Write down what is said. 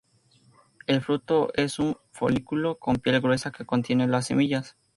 El fruto es un folículo con piel gruesa que contiene las semillas.